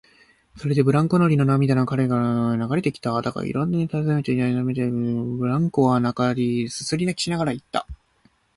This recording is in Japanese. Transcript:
それでブランコ乗りの涙が彼の顔にまで流れてきた。だが、いろいろたずねてみたり、なだめすかしてみたりしてやっと、ブランコ乗りはすすり泣きしながらいった。